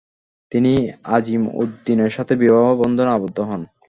তিনি আজিম-উদ-দীনের সাথে বিবাহ বন্ধনে আবদ্ধ হন।